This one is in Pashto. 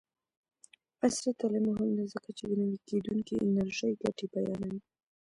عصري تعلیم مهم دی ځکه چې د نوي کیدونکي انرژۍ ګټې بیانوي.